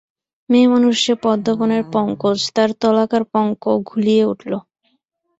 মেয়েমানুষ যে পদ্মবনের পঙ্কজ তার তলাকার পঙ্ক ঘুলিয়ে উঠল।